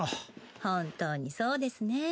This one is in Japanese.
本当にそうですねぇ。